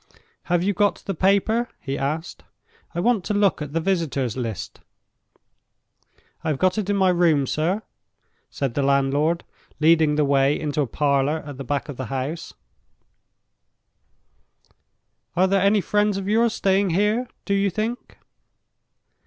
"Have you got the paper?" he asked; "I want to look at the visitors' list." "I have got it in my room, sir," said the landlord, leading the way into a parlor at the back of the house. "Are there any friends of yours staying here, do you think?"